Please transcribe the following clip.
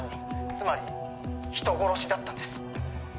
つまり人殺しだったんです